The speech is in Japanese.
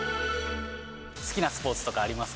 好きなスポーツとかあります